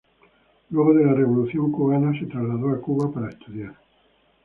Luego de la Revolución cubana se trasladó a Cuba para estudiar.